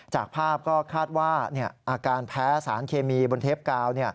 จากภาพก็คาดว่าอาการแพ้สารเคมีบนเทปกาว